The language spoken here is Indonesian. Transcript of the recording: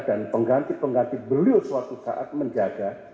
dan pengganti pengganti beliau suatu saat menjaga